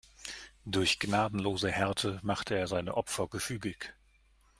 Durch gnadenlose Härte macht er seine Opfer gefügig.